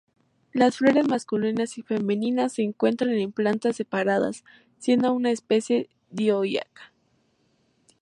Las flores masculinas y femeninas se encuentran en plantas separadas, siendo una especie dioica.